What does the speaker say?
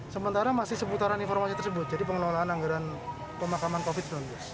sementara masih seputaran informasi tersebut jadi pengelolaan anggaran pemakaman covid sembilan belas